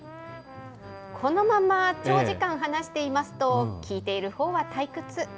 このまま長時間話していますと、聞いているほうは退屈。